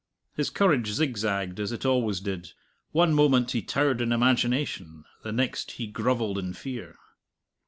His courage zigzagged, as it always did; one moment he towered in imagination, the next he grovelled in fear.